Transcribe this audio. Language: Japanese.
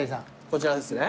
こちらですね。